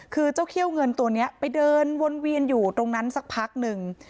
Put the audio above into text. คือเจ้าเขี้ยวเงินตัวนี้ไปเดินวนเวียนอยู่ตรงนั้นสักพักหนึ่ง